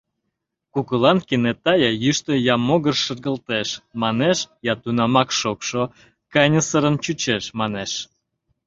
Кугылан кенета я йӱштӧ, я могыр шергылтеш, манеш, я тунамак шокшо, каньысырын чучеш, манеш.